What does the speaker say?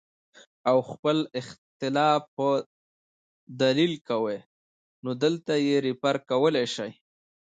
او خپل اختلاف پۀ دليل کوي نو دلته ئې ريفر کولے شئ